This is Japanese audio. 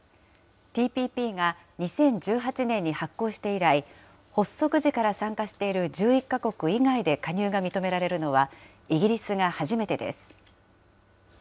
ＴＰＰが２０１８年に発効して以来、発足時から参加している１１か国以外で加入が認められるのはイギリスが初めてです。